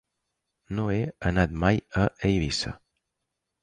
No he anat mai a Eivissa.